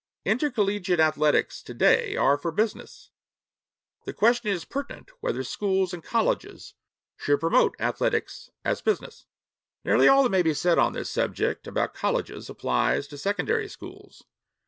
Intercollegiate athletics to day are for business. The question is pertinent whether schools and colleges should promote athletics as business. Nearly all that may be said on this subject about colleges applies to secondary schools.